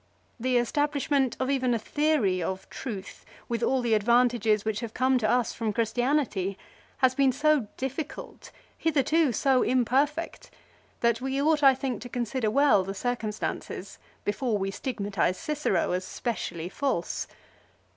The establishment of even a theory of truth, with all the advantages which have come to us from Christianity, has been so difficult, hitherto so imperfect, that we ought I think to consider well the circumstances before we stigmatise Cicero as specially false.